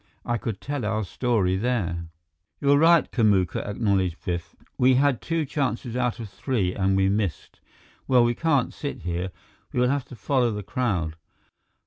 I could tell our story there." "You're right, Kamuka," acknowledged Biff. "We had two chances out of three and we missed. Well, we can't sit here. We will have to follow the crowd."